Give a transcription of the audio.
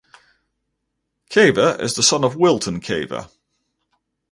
Caver is the son of Wilton Caver.